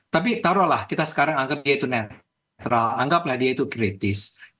tapi taruhlah kita sekarang anggap dia itu netral anggaplah dia itu kritis